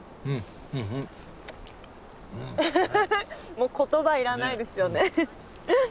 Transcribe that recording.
もう言葉いらないですよね。